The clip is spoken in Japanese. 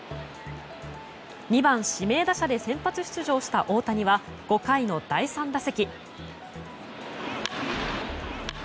２番、指名打者で先発出場した大谷は５回の第３打席。